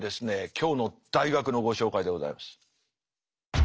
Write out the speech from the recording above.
今日の大学のご紹介でございます。